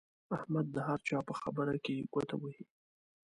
احمد د هر چا په خبره کې ګوته وهي.